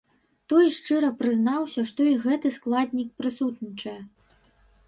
Той шчыра прызнаўся, што і гэты складнік прысутнічае.